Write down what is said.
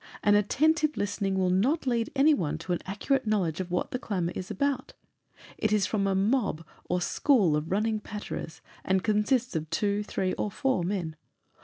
An attentive listening will not lead any one to an accurate knowledge of what the clamour is about. It is from a 'mob' or 'school' of running patterers, and consists of two, three, or four men.